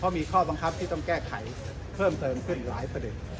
มีข้อบังคับที่ต้องแก้ไขเพิ่มเติมขึ้นหลายประเด็น